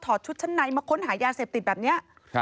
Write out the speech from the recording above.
ชุดชั้นในมาค้นหายาเสพติดแบบนี้